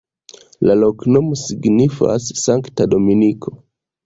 La loknomo signifas: sankta-Dominiko.